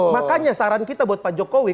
makanya saran kita buat pak jokowi